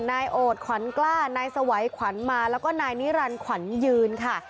นายโอดขวัญกล้านายสวัยขวัญมาแล้วก็นายนิรันดิขวัญยืนค่ะ